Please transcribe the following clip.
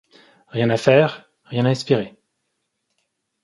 Rien à faire! rien à espérer !